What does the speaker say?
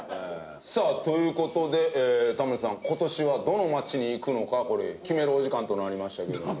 さあという事でタモリさん今年はどの街に行くのかこれ決めるお時間となりましたけれども。